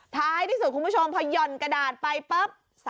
ท้ายที่สุดคุณผู้ชมพอหย่อนกระดาษไปปุ๊บ